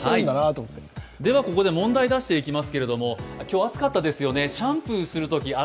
ここで問題を出していきます。